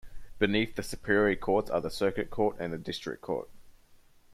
Beneath the superior courts are the Circuit Court and the District Court.